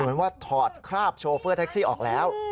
เหมือนว่าถอดคราบโชเฟอร์แท็กซี่ออกแล้ว